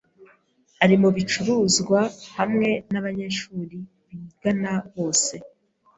Ari mubicuruzwa hamwe nabanyeshuri bigana bose.